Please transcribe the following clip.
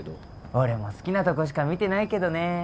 俺も好きなとこしか見てないけどね。